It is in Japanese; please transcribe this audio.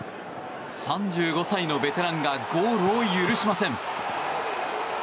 ３５歳のベテランがゴールを許しません。